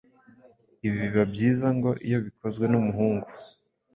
ibi biba byiza ngo iyo bikozwe n’umuhungu